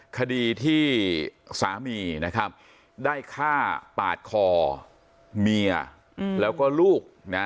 คดีที่สามีนะครับได้ฆ่าปาดคอเมียแล้วก็ลูกนะ